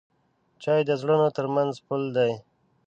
چای د زړونو ترمنځ پل دی.